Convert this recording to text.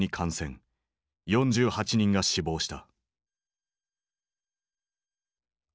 ４８人が死亡した。